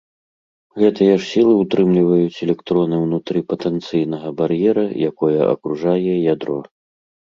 Гэтыя ж сілы ўтрымліваюць электроны ўнутры патэнцыйнага бар'ера, якое акружае ядро.